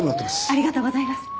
ありがとうございます。